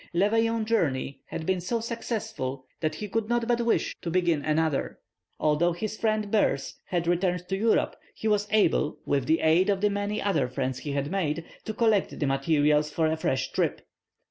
Le Vaillant's journey had been so successful that he could not but wish to begin another. Although his friend Boers had returned to Europe, he was able, with the aid of the many other friends he had made, to collect the materials for a fresh trip.